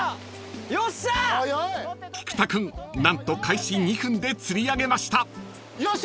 ［菊田君何と開始２分で釣り上げました］